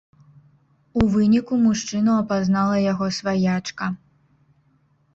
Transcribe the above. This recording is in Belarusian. У выніку мужчыну апазнала яго сваячка.